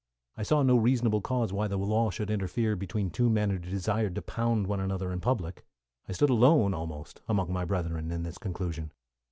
I saw no reasonable cause why the law should interfere between two men who desired to pound one another in public; I stood alone almost among my brethren in this conclusion.